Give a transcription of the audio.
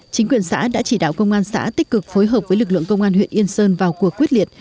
chính quyền xã đã chỉ đạo công an xã tích cực phối hợp với lực lượng công an huyện yên sơn vào cuộc quyết liệt